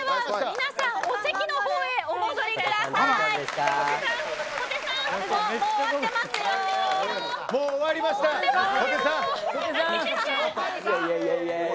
皆さんお席の方にお戻りください。